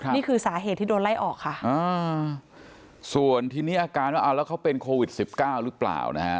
นี่คือสาเหตุที่โดนไล่ออกค่ะส่วนทีนี้อาการว่าเอาแล้วเขาเป็นโควิด๑๙หรือเปล่านะฮะ